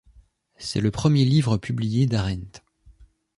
C'est le premier livre publié d'Arendt.